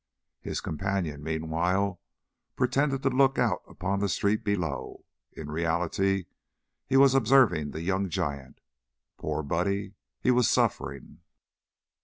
His companion, meanwhile, pretended to look out upon the street below. In reality, he was observing the young giant. Poor Buddy! He was suffering.